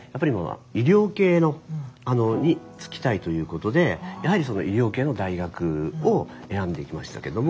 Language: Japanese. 医療系に就きたいということでやはり医療系の大学を選んでいきましたけども。